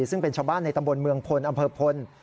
ซึ่งเป็นชาวบ้านในตำบลเมืองพลอำเภอพล